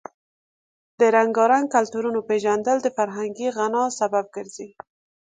د رنګارنګ کلتورونو پیژندل د فرهنګي غنا سبب ګرځي.